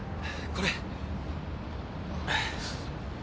これ。